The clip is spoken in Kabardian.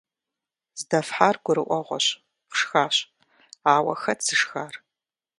Здэфхьар гурыӀуэгъуэщ – фшхащ, ауэ хэт зышхар?